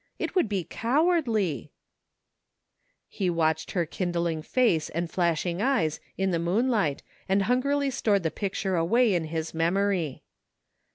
It would be cowardly !" He watched her kindling face and flashing eyes in the moonlight and hungrily stored the picture away in his memory.